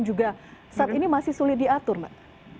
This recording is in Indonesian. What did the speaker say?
juga saat ini masih sulit diatur mbak